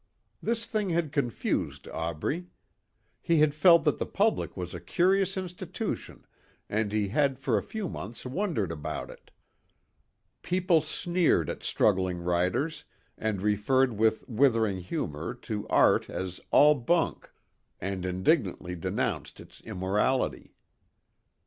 This thing had confused Aubrey. He had felt that the public was a curious institution and he had for a few months wondered about it. People sneered at struggling writers and referred with withering humor to art as "all bunk" and indignantly denounced its immorality.